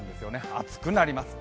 暑くなります。